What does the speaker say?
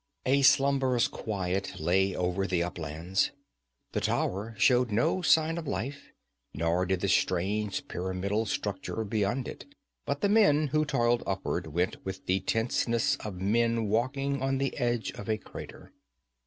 A slumberous quiet lay over the uplands. The tower showed no sign of life, nor did the strange pyramidal structure beyond it. But the men who toiled upward went with the tenseness of men walking on the edge of a crater.